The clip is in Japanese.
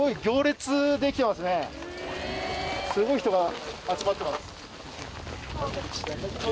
すごい人が集まってます。